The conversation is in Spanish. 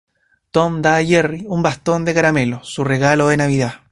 Tom, da a Jerry un bastón de caramelo, su regalo de Navidad.